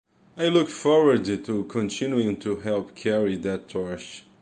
I look forward to continuing to help carry that torch.